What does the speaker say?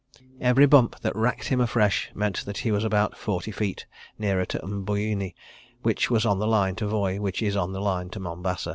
Every bump that racked him afresh meant that he was about forty feet nearer to M'buyuni which was on the line to Voi which is on the line to Mombasa.